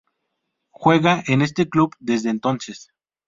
Juega en este club desde entonces.